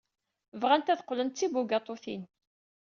Bɣant ad qqlent d tibugaṭutin.